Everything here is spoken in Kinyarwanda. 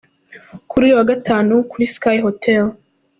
Kuri uyu wa Gatanu ni kuri Sky Hotel.